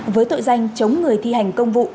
với tội danh chống người thi hành công vụ